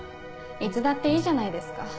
いつだっていいじゃないですか。